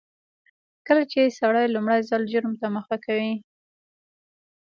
کله چې سړی لومړي ځل جرم ته مخه کوي.